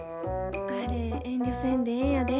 あれ遠慮せんでええんやで。